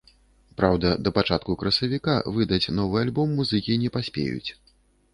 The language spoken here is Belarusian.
Праўда, да пачатку красавіка выдаць новы альбом музыкі не паспеюць.